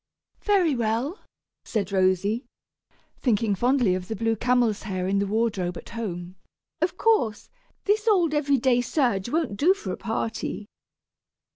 "Very well," said Rosy, thinking fondly of the blue camel's hair in the wardrobe at home; "of course, this old every day serge won't do for a party."